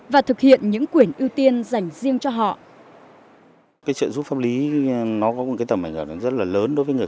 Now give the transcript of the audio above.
và thực hiện những quyền ưu tiên dành riêng cho họ